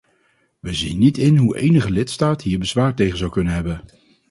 We zien niet in hoe enige lidstaat hier bezwaar tegen zou kunnen hebben.